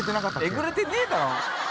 えぐれてねえだろ！